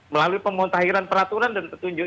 melalui pemutakhiran peraturan dan petunjuk